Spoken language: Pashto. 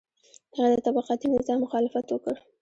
هغه د طبقاتي نظام مخالفت وکړ.